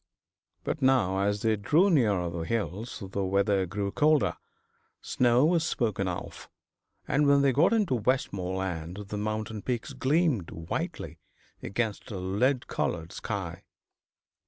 But now as they drew nearer the hills the weather grew colder, snow was spoken of, and when they got into Westmoreland the mountain peaks gleamed whitely against a lead coloured sky.